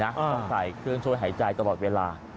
ต้องใส่เครื่องช่วยหายใจตลอดเวลา